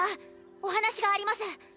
お話があります。